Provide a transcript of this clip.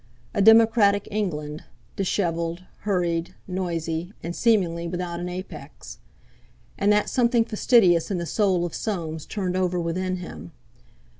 A democratic England—dishevelled, hurried, noisy, and seemingly without an apex. And that something fastidious in the soul of Soames turned over within him.